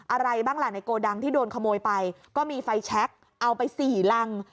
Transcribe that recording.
อะไรบ้างล่ะในโกดังที่โดนขโมยไปก็มีไฟแชคเอาไปสี่รัง